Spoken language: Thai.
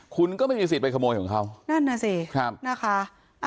คุณก็ไม่มีสิทธิ์ไปขโมยของเขานั่นน่ะสิครับนะคะ